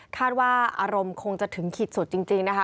ว่าอารมณ์คงจะถึงขีดสุดจริงนะคะ